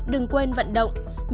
đừng quên vận động teaspoon